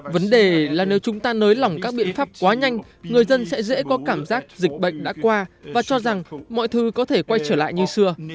vấn đề là nếu chúng ta nới lỏng các biện pháp quá nhanh người dân sẽ dễ có cảm giác dịch bệnh đã qua và cho rằng mọi thứ có thể quay trở lại như xưa